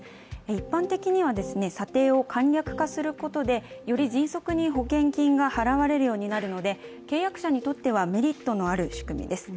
一般的には、査定を簡略化することでより迅速に保険金が払われるようになるので、契約者にとってはメリットのある仕組みです。